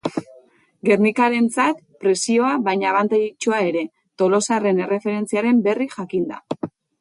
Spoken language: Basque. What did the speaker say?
Gernikarrentzat presioa, baina abantailatxoa ere, tolosarren erreferentziaren berri jakinda.